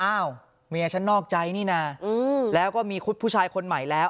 อ้าวเมียฉันนอกใจนี่นะแล้วก็มีผู้ชายคนใหม่แล้ว